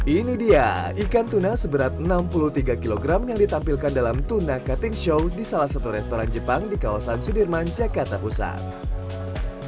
ini dia ikan tuna seberat enam puluh tiga kg yang ditampilkan dalam tuna cutting show di salah satu restoran jepang di kawasan sudirman jakarta pusat